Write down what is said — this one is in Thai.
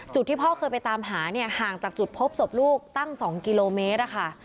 ที่พ่อเคยไปตามหาเนี่ยห่างจากจุดพบศพลูกตั้ง๒กิโลเมตรอะค่ะ